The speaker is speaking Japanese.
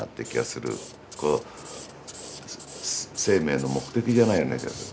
こう生命の目的じゃないような気がする。